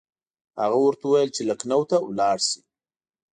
هغه ورته وویل چې لکنهو ته ولاړ شي.